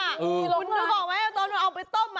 เธอบอกไหมต้องเอาไปต้ม